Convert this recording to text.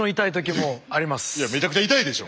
いやめちゃくちゃ痛いでしょ？